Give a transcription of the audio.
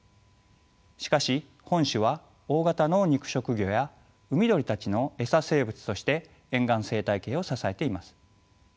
しかし本種は大型の肉食魚や海鳥たちの餌生物として沿岸生態系を支えています。